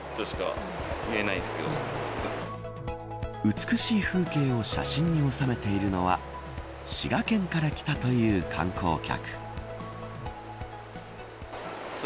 美しい風景を写真に収めているのは滋賀県から来たという観光客。